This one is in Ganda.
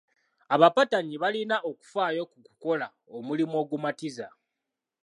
Abapatanyi balina okufaayo ku kukola omulimu ogumatiza.